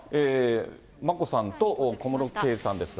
今、眞子さんと小室圭さんですが。